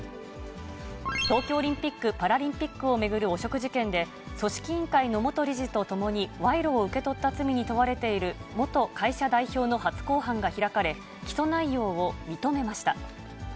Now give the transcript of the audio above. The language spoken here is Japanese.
東京オリンピック・パラリンピックを巡る汚職事件で、組織委員会の元理事とともに賄賂を受け取った罪に問われている元会社代表の初公判が開かれ、起訴内容を認めました。